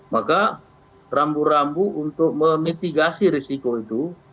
maka rambu rambu untuk memitigasi risiko itu